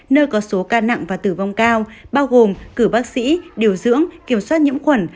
nơi có số ca nặng và tử vong cao bao gồm cử bác sĩ điều dưỡng kiểm soát nhiễm khuẩn